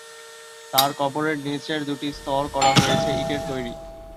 তার কবরের নিচের দুটি স্তর করা হয়েছে ইটের তৈরী।